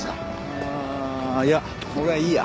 ああいや俺はいいや。